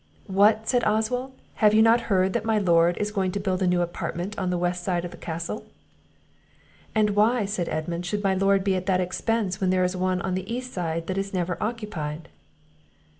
"What," said Oswald, "have you not heard that my Lord is going to build a new apartment on the west side of the castle?" "And why," said Edmund, "should my Lord be at that expence when there is one on the east side that is never occupied?"